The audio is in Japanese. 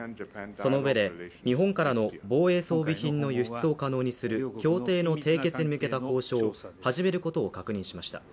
そのうえで日本からの防衛装備品の輸出を可能にする協定の締結に向けた交渉を始めることを確認しました。